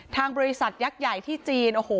ทางบริษัทยักษ์ใหญ่ที่จีน